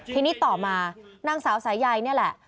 ทีนี้ต่อมานางสาวสายใยนี่แหละ